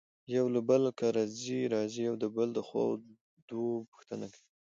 يو له بل کره ځي راځي يو د بل دښو او دو پوښنته کوي.